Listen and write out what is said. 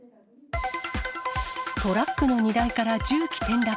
トラックの荷台から重機転落。